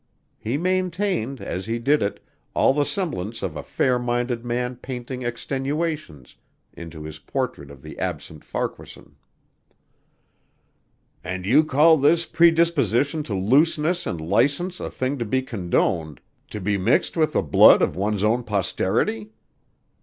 He maintained, as he did it, all the semblance of a fair minded man painting extenuations into his portrait of the absent Farquaharson. "And you call this predisposition to looseness and license a thing to be condoned, to be mixed with the blood of one's own posterity?